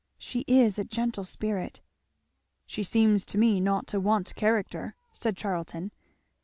She is a gentle spirit! " "She seems to me not to want character," said Charlton.